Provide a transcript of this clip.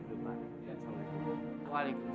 mawar berangkat dulu iya pak